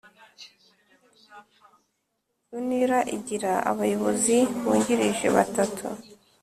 Unr igira abayobozi bungirije batatu